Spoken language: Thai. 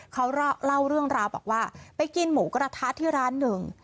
เขาเล่าเรื่องราวบอกว่าไปกินหมูกระทะที่ร้านหนึ่ง